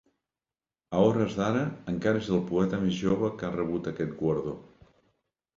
A hores d'ara encara és el poeta més jove que ha rebut aquest guardó.